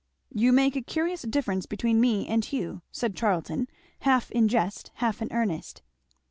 "You make a curious difference between me and Hugh," said Charlton, half in jest, half in earnest.